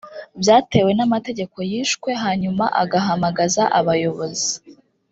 byatewe n’amategeko yishwe hanyuma agahamagaza abayobozi